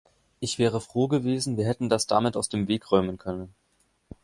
Ich wäre froh gewesen, wir hätten das damit aus dem Wege räumen können.